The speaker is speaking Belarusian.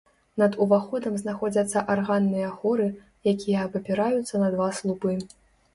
Над уваходам знаходзяцца арганныя хоры, якія абапіраюцца на два слупы.